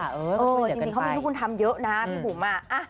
เออจริงเขามีลูกบุญธรรมเยอะนะพี่บุ๋ม